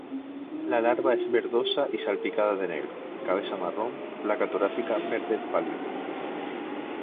La larva es verdosa y salpicada de negro; cabeza marrón; placa torácica verde pálida.